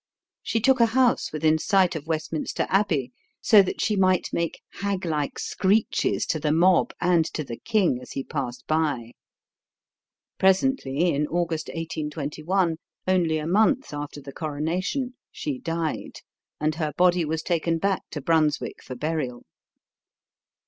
She took a house within sight of Westminster Abbey, so that she might make hag like screeches to the mob and to the king as he passed by. Presently, in August, 1821, only a month after the coronation, she died, and her body was taken back to Brunswick for burial.